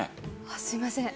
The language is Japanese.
あっすいません。